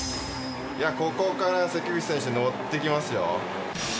ここから関口選手のってきますよ。